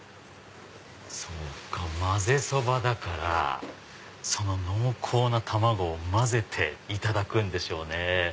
そうかまぜそばだからその濃厚な卵を混ぜていただくんでしょうね。